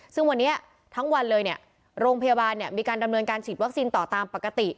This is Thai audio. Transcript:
ซึ่งวันนี้ทั้งวันเลยเนี่ยโรงพยาบาลมีการดำเนินการฉีดวัคซีนต่อตามปกติ